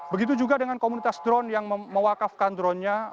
begitu juga dengan komunitas drone yang mewakafkan dronenya